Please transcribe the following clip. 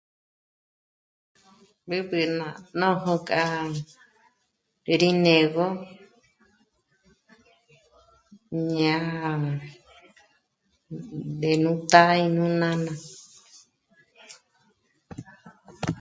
B'üb'ü ná nójo k'a rí né'egö́ ñá'a ndé nú tá'a í nú nána